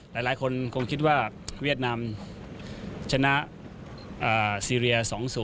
หลายคนคงคิดว่าเวียดนามชนะซีเรีย๒๐